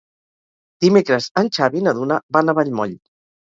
Dimecres en Xavi i na Duna van a Vallmoll.